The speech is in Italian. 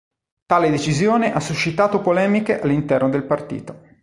Tale decisione ha suscitato polemiche all'interno del partito.